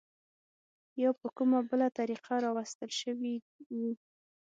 یا په کومه بله طریقه راوستل شوي وو.